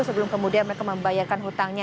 sebelum kemudian mereka membayarkan hutangnya